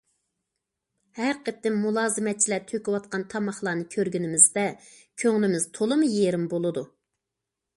ھەر قېتىم مۇلازىمەتچىلەر تۆكۈۋاتقان تاماقلارنى كۆرگىنىمىزدە كۆڭلىمىز تولىمۇ يېرىم بولىدۇ.